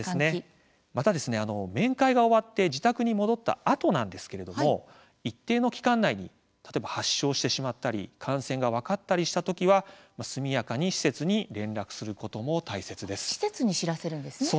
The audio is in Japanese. また面会が終わって自宅に戻ったあと一定の期間内に発症してしまったり感染が分かったりした時は速やかに施設に連絡をすることも大切です。